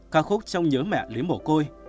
ca khúc trong nhớ mẹ lý mổ côi